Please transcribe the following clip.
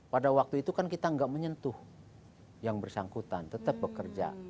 pada waktu itu kan kita nggak menyentuh yang bersangkutan tetap bekerja